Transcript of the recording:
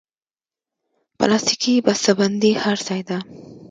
پلاستيکي بستهبندي هر ځای ده.